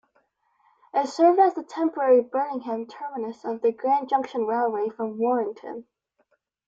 It served as the temporary Birmingham terminus of the Grand Junction Railway from Warrington.